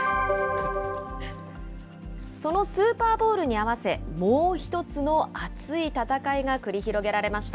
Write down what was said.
そのスーパーボウルに合わせ、もう１つの熱い戦いが繰り広げられました。